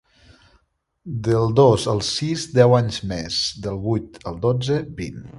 Del dos al sis, deu anys més, del vuit al dotze, vint.